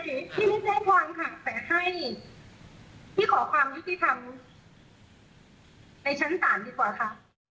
ที่ไม่ได้ความขาดแต่ให้ที่ขอความลิติธรรมในชั้นต่างดีกว่าค่ะ